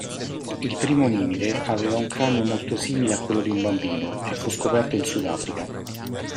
Il primo ominide aveva un cranio molto simile a quello di un bambino e fu scoperto in Sud Africa.